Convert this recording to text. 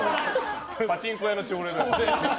パチンコ屋の朝礼。